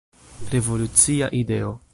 Revolucia ideo.